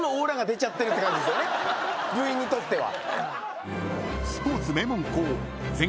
部員にとっては。